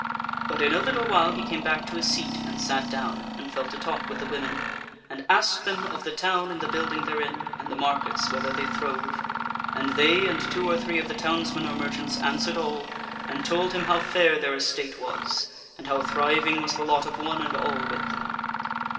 But in a little while he came back to his seat and sat him down, and fell to talk with the women, and asked them of the town and the building therein, and the markets, whether they throve; and they and two or three of the townsmen or merchants answered all, and told him how fair their estate was, and how thriving was the lot of one and all with them.